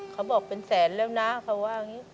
เค้าบอกเป็นแสนแล้วนะ